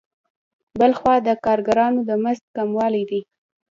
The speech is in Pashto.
بل خوا د کارګرانو د مزد کموالی دی